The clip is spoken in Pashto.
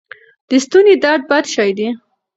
د ستوني درد بد شی دی.